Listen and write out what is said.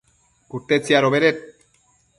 cute tsiadobeded